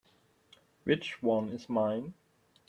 Which one is mine?